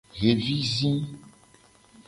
Xevi zi.